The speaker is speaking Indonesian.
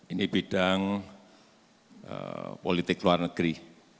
ini bidang politik luar negeri